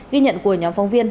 ghi nhận của nhóm phong viên